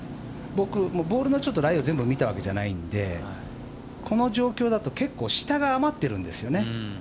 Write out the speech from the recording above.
ボールのライを見たわけじゃないのでこの状況だと結構下が余ってるんですよね。